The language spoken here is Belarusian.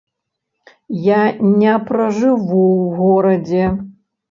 Я не пражыву ў горадзе.